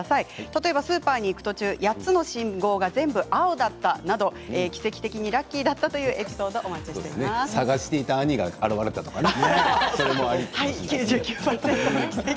例えばスーパーに行く途中８つの信号が全部、青だったなど奇跡的にラッキーだったという捜していた兄が現れたとかね。